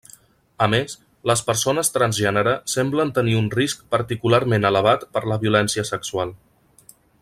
A més, les persones transgènere semblen tenir un risc particularment elevat per la violència sexual.